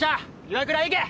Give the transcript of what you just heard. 岩倉行け！